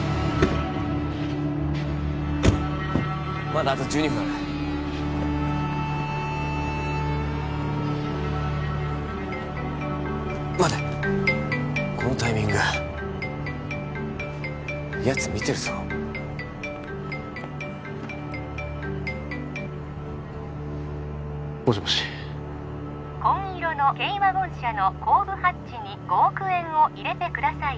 まだあと１２分ある待てこのタイミングやつ見てるぞもしもし紺色の軽ワゴン車の後部ハッチに５億円を入れてください